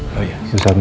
silahkan minta tolong